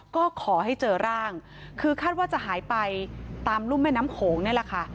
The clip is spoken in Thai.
ก็ขอให้เจอร่างคือคาดว่าจะหายไปตามรุ่มแม่น้ำโขงนี่แหละค่ะ